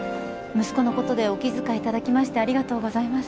息子のことでお気遣いいただきましてありがとうございます。